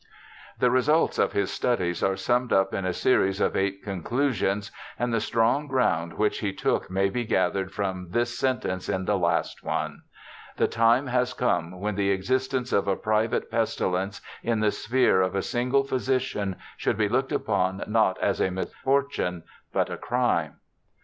The results of his studies are summed up in a series of eight conclusions, and the strong ground which he took may be gathered from this sentence in the last one :* The time has come when the existence ol a private pestilence in the sphere of a single physician should be looked upon not as a misfortune but a crime.'